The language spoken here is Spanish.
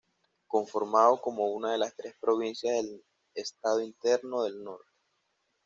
Conformado como una de las tres provincias del estado Interno del Norte.